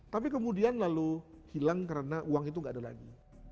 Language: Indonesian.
tapi kemudian lalu hilang karena uang itu tidak ada lagi